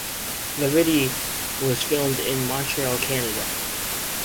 "Levity" was filmed in Montreal, Canada.